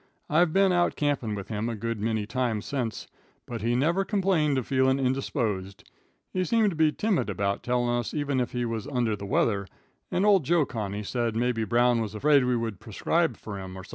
I've been out campin' with him a good many times sence, but he never complained of feelin' indisposed. He seemed to be timid about tellin' us even if he was under the weather, and old Joe Connoy said mebbe Brown was afraid we would prescribe fur him or sumthin'."